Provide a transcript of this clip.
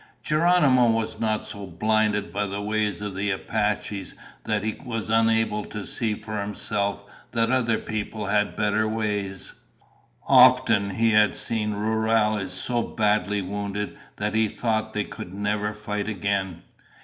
Geronimo was not so blinded by the ways of the Apaches that he was unable to see for himself that other people had better ways. Often he had seen rurales so badly wounded that he thought they could never fight again.